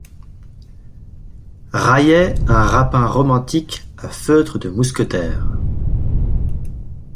Raillait un rapin romantique à feutre de mousquetaire.